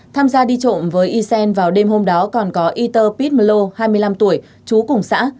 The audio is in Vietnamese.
tham gia đi trộm với ysen vào đêm hôm đó còn có yter pitmlo hai mươi năm tuổi chú cùng xã